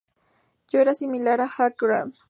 Yo era muy similar a Hugh Grant.